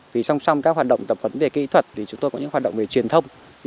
vì song song các hoạt động tập huấn về kỹ thuật thì chúng tôi có những hoạt động về truyền thông